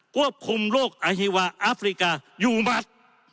ควบคุมโลกอฮีวาอัฟริกาอยู่หมด